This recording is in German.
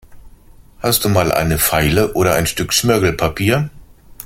Hast du mal eine Feile oder ein Stück Schmirgelpapier?